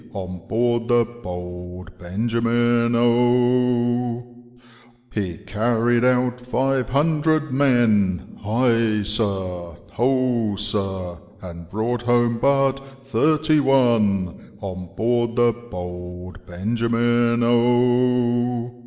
On board the Bold Benjamin, O, ' He carried out five hundred men, High sir, ho sir. And brought home but thirty one. On board the Bold Benjamin, O.